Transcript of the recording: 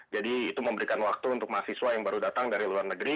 jadi itu memberikan waktu untuk mahasiswa yang baru datang dari luar negeri